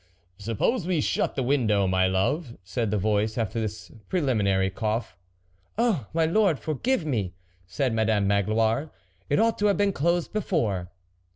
"Suppose we shut the window, my love," said the voice, after this preliminary coughing. "Oh! my lord," forgive me," said Madame Magloire, " it ought to have been closed before."